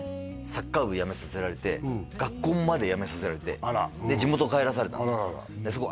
サッカー部辞めさせられて学校まで辞めさせられて地元帰らされたんですよ